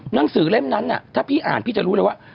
หนังสือเล่มนั้นถ้าพี่อ่านพี่จะรู้เลยว่า